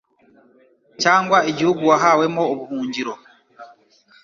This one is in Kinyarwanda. cyangwa igihugu wahawemo ubuhungiro